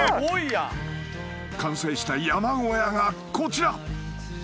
［完成した山小屋がこちら！］